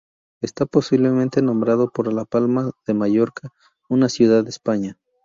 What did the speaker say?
Está posiblemente nombrado por Palma de Mallorca, una ciudad de España.